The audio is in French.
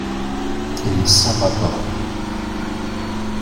Et sans rapport.